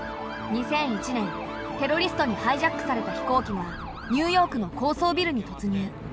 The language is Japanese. ２００１年テロリストにハイジャックされた飛行機がニューヨークの高層ビルに突入。